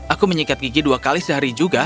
aku menyikat gigi dua kali sehari juga